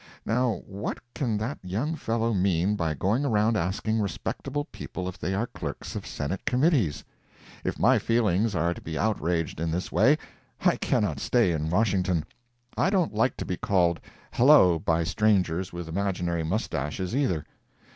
Now what can that young fellow mean by going around asking respectable people if they are clerks of Senate committees? If my feelings are to be outraged in this way, I cannot stay in Washington. I don't like to be called Hello by strangers with imaginary moustaches, either.